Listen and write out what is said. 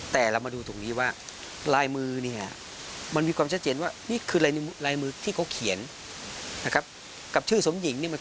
แต่เรามาดูตรงนี้ว่า